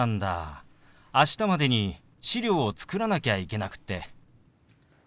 明日までに資料を作らなきゃいけなくって。